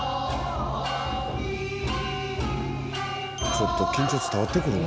ちょっと緊張伝わってくるな。